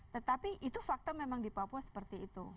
tetapi itu fakta memang di papua seperti itu